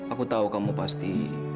aku tahu kamu pasti